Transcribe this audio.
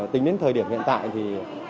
tính đến thời điểm hiện tại